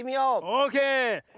オーケー！